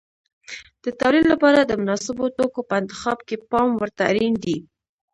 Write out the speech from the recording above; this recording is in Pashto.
د تولید لپاره د مناسبو توکو په انتخاب کې پام ورته اړین دی.